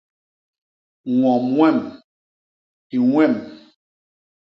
Ñwom ñwem, i ñwem.